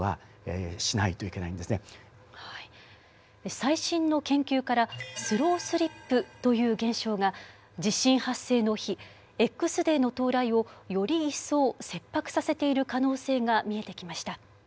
最新の研究からスロースリップという現象が地震発生の日Ｘデーの到来をより一層切迫させている可能性が見えてきました。